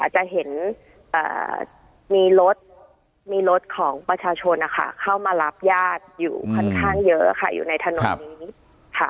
จะเห็นมีรถมีรถของประชาชนนะคะเข้ามารับญาติอยู่ค่อนข้างเยอะค่ะอยู่ในถนนนี้ค่ะ